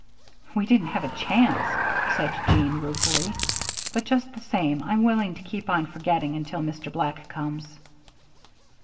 "We didn't have a chance," said Jean, ruefully; "but just the same, I'm willing to keep on forgetting until Mr. Black comes."